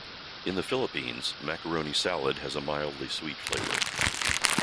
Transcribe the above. In the Philippines, macaroni salad has a mildly sweet flavor.